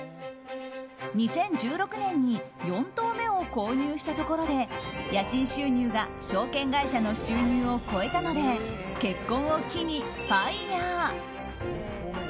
２０１６年に４棟目を購入したところで家賃収入が証券会社の収入を超えたので結婚を機にＦＩＲＥ。